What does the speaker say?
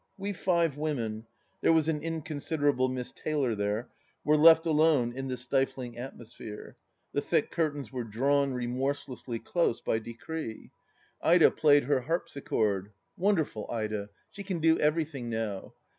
We five women — there was an inconsideradle Miss Taylor there — ^were left alone in the stifling atmosphere ; the thick curtains were drawn, remorselessly close, by decree. Ida THE LAST DITCH 207 played her harpsichord — ^wonderful Ida, she can do every thing now